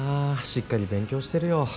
しっかり勉強してるよ